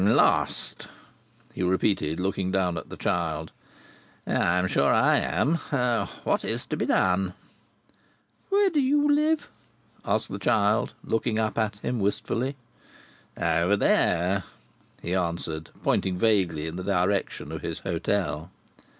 "Lost!" he repeated, looking down at the child. "I am sure I am. What is to be done!" "Where do you live?" asked the child, looking up at him, wistfully. "Over there," he answered, pointing vaguely in the direction of his hotel.